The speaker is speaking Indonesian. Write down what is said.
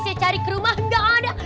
saya cari ke rumah gak ada